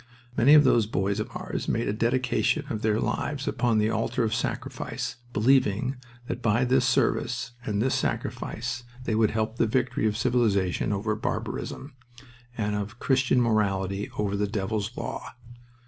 Many of those boys of ours made a dedication of their lives upon the altar of sacrifice, believing that by this service and this sacrifice they would help the victory of civilization over barbarism, and of Christian morality over the devil's law.